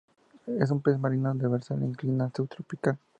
Es un pez marino demersal de clima subtropical.